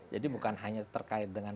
jadi bukan hanya terkait dengan